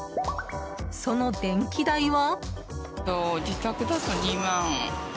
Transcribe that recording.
その電気代は？